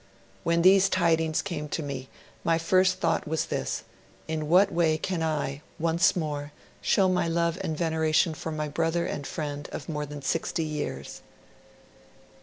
'When these tidings came to me, my first thought was this, in what way can I, once more, show my love and veneration for my brother and friend of more than sixty years?'